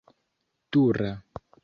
dura